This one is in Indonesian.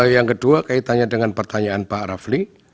yang kedua kaitannya dengan pertanyaan pak rafli